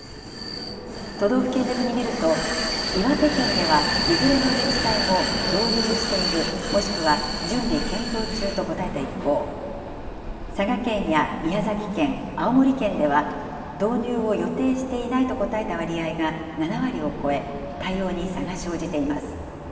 都道府県別に見ると、岩手県ではいずれの自治体も導入している、もしくは準備・検討中と答えた一方、佐賀県や宮崎県、青森県では、導入を予定していないと答えた割合が７割を超え、対応に差が生じています。